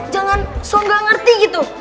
jangan soal ga ngerti gitu